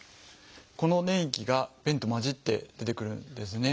この粘液が便と混じって出てくるんですね。